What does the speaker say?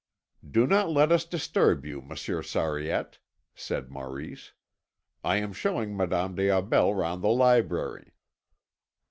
"Do not let us disturb you, Monsieur Sariette," said Maurice. "I am showing Madame des Aubels round the library."